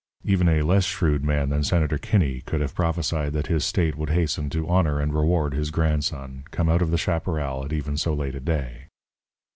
Even a less shrewd man than Senator Kinney could have prophesied that his state would hasten to honour and reward his grandson, come out of the chaparral at even so late a day.